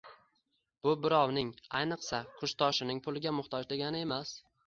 Bu birovning, ayniqsa, kursdoshining puliga muhtoj degani emas